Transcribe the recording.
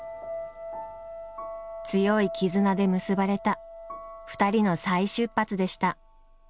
強い絆で結ばれた２人の再出発でした。